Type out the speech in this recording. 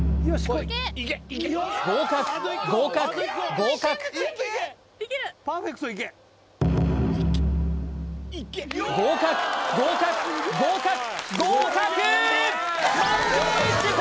合格合格合格合格合格合格合格！